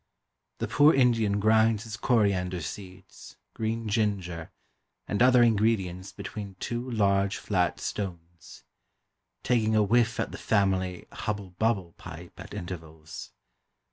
The poor Indian grinds his coriander seeds, green ginger, and other ingredients between two large flat stones; taking a whiff at the family "hubble bubble" pipe at intervals.